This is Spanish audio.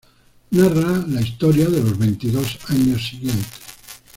Narra la historia de los veintidós años siguientes.